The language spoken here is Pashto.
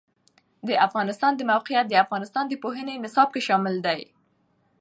د افغانستان د موقعیت د افغانستان د پوهنې نصاب کې شامل دي.